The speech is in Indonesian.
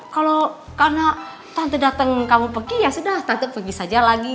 kalau karena tante datang kamu pergi ya sudah tante pergi saja lagi